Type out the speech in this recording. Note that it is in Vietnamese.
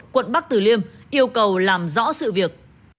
quận bắc tử liêm yêu cầu làm rõ sự việc